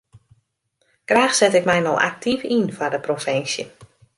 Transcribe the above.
Graach set ik my no aktyf yn foar de provinsje.